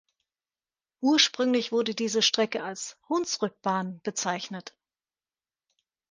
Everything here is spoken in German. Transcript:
Ursprünglich wurde diese Strecke als "Hunsrückbahn" bezeichnet.